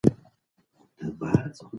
موږ باید د قانون درناوی وکړو.